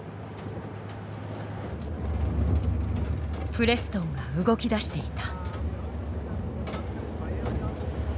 プレストンが動き出していた。